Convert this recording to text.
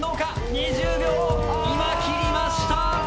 ２０秒を今切りました！